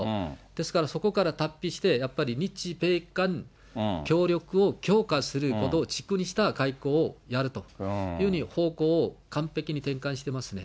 ですから、そこから脱皮して、やっぱり日米韓、協力を強化するほどじっくりした外交をやるというふうに方向を完璧に転換してますね。